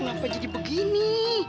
kenapa jadi begini